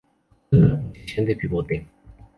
Juega en la posición de Pivote.